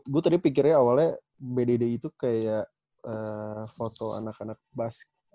gue tadi pikirnya awalnya bdd itu kayak foto anak anak basket